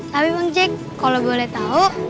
tapi bang jek kalo boleh tahu